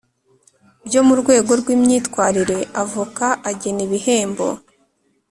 byo mu rwego rw imyitwarire Avoka agena ibihembo